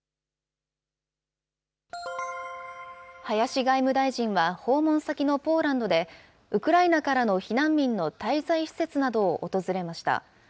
林外務大臣は訪問先のポーランドで、ウクライナからの避難民の滞在施設などを訪れました。